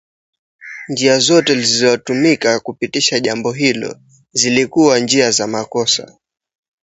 Only the means it took to compass its ends were mistaken.